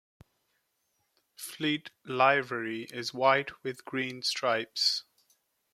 Fleet livery is white with green stripes.